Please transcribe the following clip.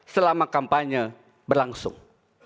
selama kampanye berlangsung